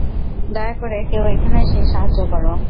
দয়া করে কেউ এখানে এসে সাহায্য করো!